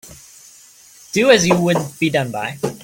Do as you would be done by.